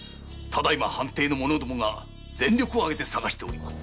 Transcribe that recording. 只今藩邸の者どもが全力を挙げて捜しております。